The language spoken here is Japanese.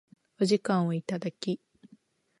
お時間をいただき